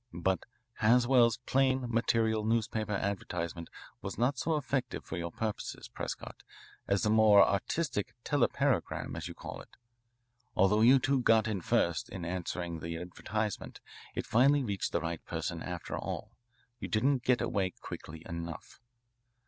But Haswell's plain, material newspaper advertisement was not so effective for your purposes, Prescott, as the more artistic 'telepagram,' as you call it. Although you two got in first in answering the advertisement, it finally reached the right person after all. You didn't get away quickly enough.